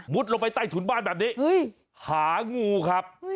ลงไปใต้ถุนบ้านแบบนี้หางูครับ